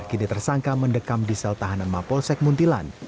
kini tersangka mendekam diesel tahanan mapolsek muntilan